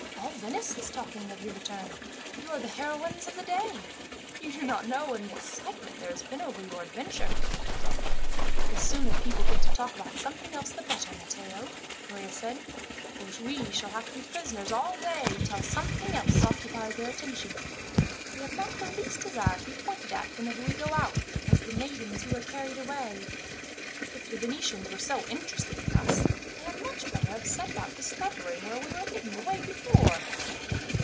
All Venice is talking of your return. You are the heroines of the day. You do not know what an excitement there has been over your adventure." "The sooner people get to talk about something else the better, Matteo," Maria said, "for we shall have to be prisoners all day till something else occupies their attention. We have not the least desire to be pointed at, whenever we go out, as the maidens who were carried away. If the Venetians were so interested in us, they had much better have set about discovering where we were hidden away before."